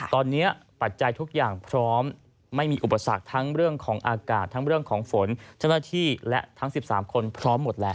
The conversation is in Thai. ตอนนี้ปัจจัยทุกอย่างพร้อมไม่มีอุปสรรคทั้งเรื่องของอากาศทั้งเรื่องของฝนเจ้าหน้าที่และทั้ง๑๓คนพร้อมหมดแล้ว